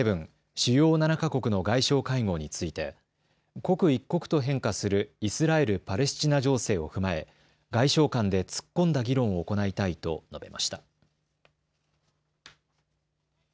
・主要７か国の外相会合について刻一刻と変化するイスラエル・パレスチナ情勢を踏まえ、外相間で突っ込んだ議論を行いたいと述べました。